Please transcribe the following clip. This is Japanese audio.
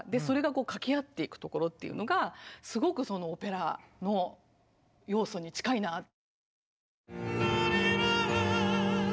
それが掛け合っていくところっていうのがすごくそのオペラの要素に近いな。